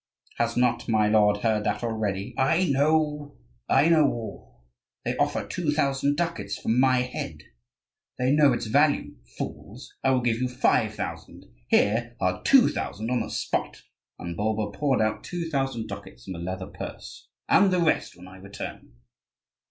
"Has not my lord heard that already " "I know, I know all. They offer two thousand ducats for my head. They know its value, fools! I will give you five thousand. Here are two thousand on the spot," and Bulba poured out two thousand ducats from a leather purse, "and the rest when I return."